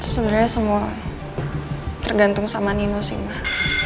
sebenarnya semua tergantung sama nino sih mbak